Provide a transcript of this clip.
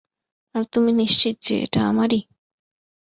আর তুমি নিশ্চিত যে, এটা আমারই?